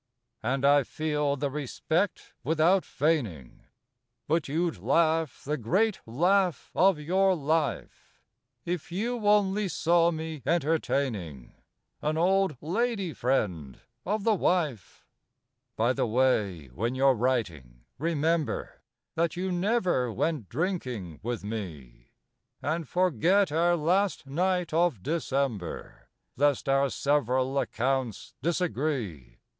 And I feel the respect without feigning But you'd laugh the great laugh of your life If you only saw me entertaining An old lady friend of the wife. By the way, when you're writing, remember That you never went drinking with me, And forget our last night of December, Lest our sev'ral accounts disagree.